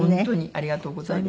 ありがとうございます。